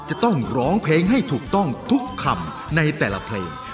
จะต้องร้องเพลงให้ถูกต้องทุกคำในแต่ละเพลง